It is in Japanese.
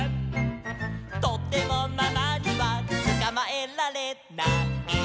「とてもママにはつかまえられない」